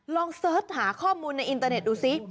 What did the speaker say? เสิร์ชหาข้อมูลในอินเตอร์เน็ตดูซิ